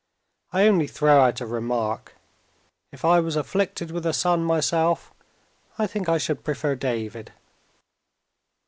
I only throw out a remark. If I was afflicted with a son myself, I think I should prefer David."